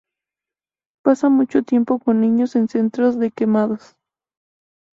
Pasa mucho tiempo con niños en centros de quemados.